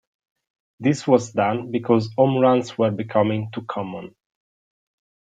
This was done because home runs were becoming too common.